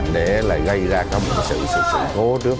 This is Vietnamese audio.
để lại gây ra một sự sự khố trước